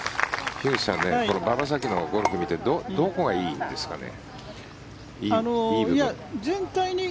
樋口さん馬場咲希のゴルフを見てどこがいいですかね？